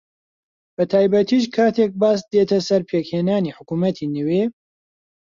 بەتایبەتیش کاتێک باس دێتە سەر پێکهێنانی حکوومەتی نوێ